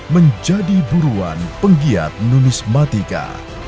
menjadi buruan penggiat nunismatika